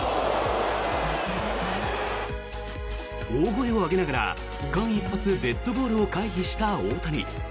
大声を上げながら間一髪、デッドボールを回避した大谷。